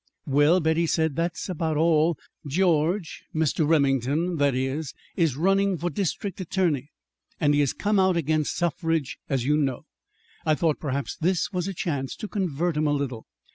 "Well," Betty said, "that's about all. George Mr. Remington that is is running for district attorney, and he has come out against suffrage as you know. I thought perhaps this was a chance to convert him a little.